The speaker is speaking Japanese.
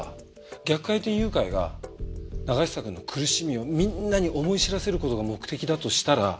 逆回転誘拐が永久くんの苦しみをみんなに思い知らせる事が目的だとしたら。